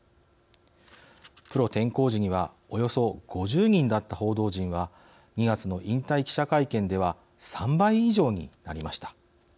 プロ転向時にはおよそ５０人だった報道陣は２月の引退記者会見では３倍以上になりました。